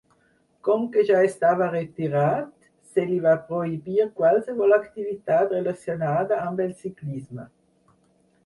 Com que ja estava retirat, se li va prohibir qualsevol activitat relacionada amb el ciclisme.